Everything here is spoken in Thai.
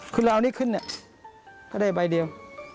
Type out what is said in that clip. คือเราเอานี่ขึ้นเนี่ยก็ได้ใบเดียว